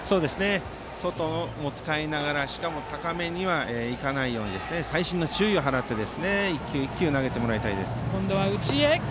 外を使いながらしかも高めには行かないように細心の注意を払って投げてもらいたいです。